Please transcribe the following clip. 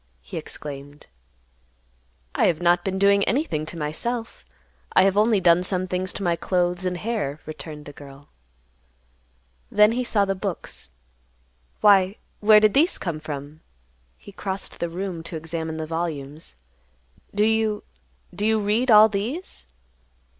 he exclaimed. "I have not been doing anything to myself. I have only done some things to my clothes and hair," returned the girl. Then he saw the books. "Why, where did these come from?" He crossed the room to examine the volumes. "Do you—do you read all these?"